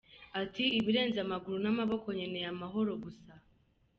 Ati: “Ibirenze amaguru n’amaboko nkeneye amahoro gusa,.